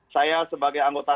saya sebagai anggota